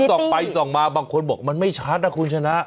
ส่องไปส่องมาบางคนบอกมันไม่ชัดนะคุณชนะ